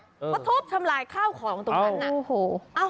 มาทบชำลายข้าวของตรงนั้นน่ะ